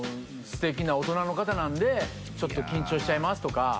「すてきな大人の方なんでちょっと緊張しちゃいます」とか。